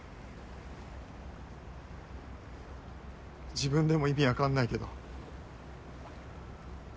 自分でも意味分かんないけど。